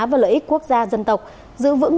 và lợi ích quốc gia dân tộc giữ vững